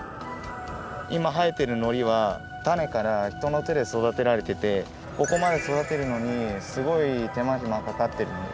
いまはえてるのりは種から人の手で育てられててここまで育てるのにすごいてまひまかかってるんだよ。